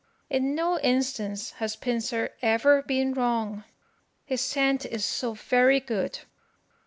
In no instance has Pincer ever been wrong, his scent is so very good.